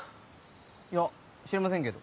いや知りませんけど。